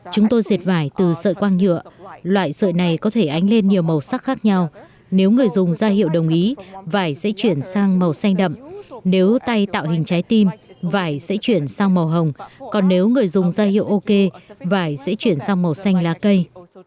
chúng tôi dệt vải từ sợi quang nhựa loại sợi này có thể ánh lên nhiều màu sắc khác nhau nếu người dùng ra hiệu đồng ý vải sẽ chuyển sang màu xanh đậm nếu tay tạo hình trái tim vải sẽ chuyển sang màu hồng còn nếu người dùng ra hiệu ok vải sẽ chuyển sang màu xanh lá cây